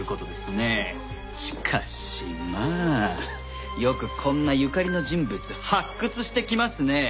しかしまあよくこんなゆかりの人物発掘してきますね。